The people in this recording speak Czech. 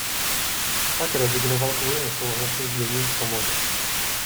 Pak rezignoval kvůli nesouhlasu s děním v komoře.